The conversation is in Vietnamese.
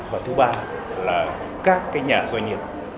và thứ ba là các cái nhà doanh nghiệp